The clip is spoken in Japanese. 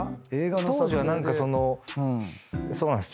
当時は何かそのそうなんす。